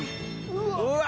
うわ！